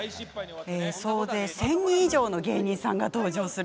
総勢１０００人以上の芸人さんが登場する